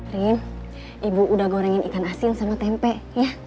rin ibu udah gorengin ikan asin sama tempe ya